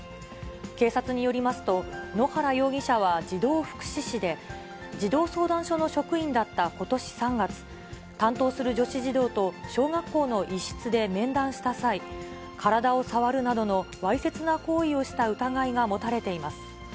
警察によりますと、野原容疑者は児童福祉司で、児童相談所の職員だったことし３月、担当する女子児童と小学校の一室で面談した際、体を触るなどのわいせつな行為をした疑いが持たれています。